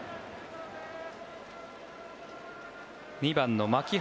２番の牧原。